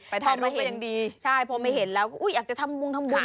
ไปท่านรู้ก็ยังดีใช่พอไม่เห็นแล้วอุ๊ยอยากจะทำวงทำบุญ